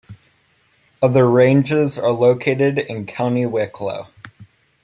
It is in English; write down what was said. Other ranges are located in County Wicklow.